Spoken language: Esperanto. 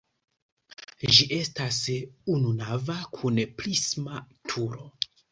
Ĝi estas ununava kun prisma turo.